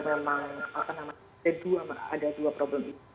benar memang ada dua problem itu